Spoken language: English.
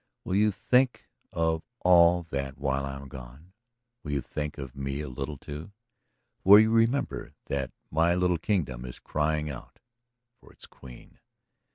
Will you think of all that while I am gone? Will you think of me a little, too? Will you remember that my little kingdom is crying out for its queen?